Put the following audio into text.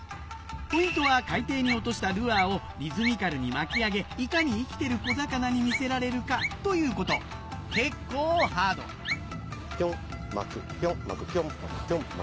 ポイントは海底に落としたルアーをリズミカルに巻き上げいかに生きてる小魚に見せられるかということ結構ハードピョン巻くピョン巻く。